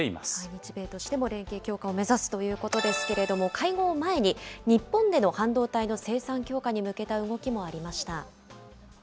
日米としても連携強化を目指すということですけれども、会合を前に、日本での半導体の生産強化に向けた動きもありました。